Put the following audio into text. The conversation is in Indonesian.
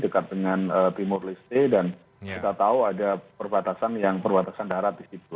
dekat dengan timur leste dan kita tahu ada perbatasan yang perbatasan darat di situ